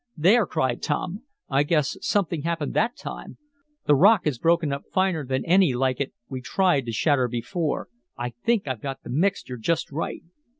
"There!" cried Tom. "I guess something happened that time! The rock is broken up finer than any like it we tried to shatter before. I think I've got the mixture just right!"